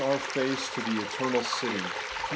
our face to the eternal city (Heb.